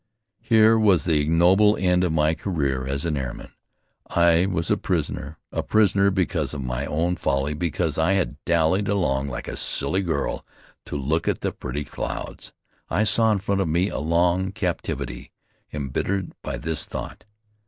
Here was the ignoble end to my career as an airman. I was a prisoner, a prisoner because of my own folly, because I had dallied along like a silly girl, to "look at the pretty clouds." I saw in front of me a long captivity embittered by this thought.